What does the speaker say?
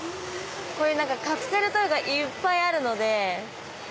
こういうカプセルトイがいっぱいあるので。